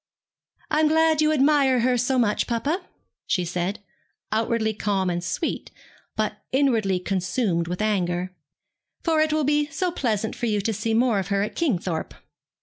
'I am glad you admire her so much, papa,' she said, outwardly calm and sweet, but inwardly consumed with anger; 'for it will be so pleasant for you to see more of her at Kingthorpe.'